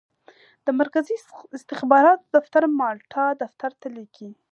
د مرکزي استخباراتو دفتر مالټا دفتر ته لیکي.